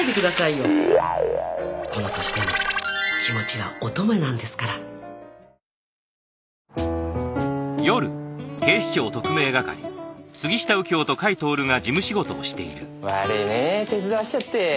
よこの年でも気持ちは乙女なんですから悪いねえ手伝わせちゃって。